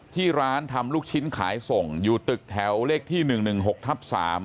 ที่ร้านทำลูกชิ้นขายส่งอยู่ตึกแถวเลขที่๑๑๖ทับ๓